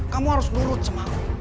kamu harus nurut sama aku